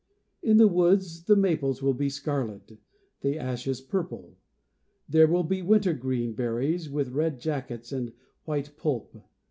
In the woods the ma ples will be scarlet, the ashes purple. There will be wintergreen ber ries with red jackets and white pulp.